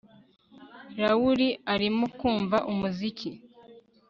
Laurie arimo kumva umuziki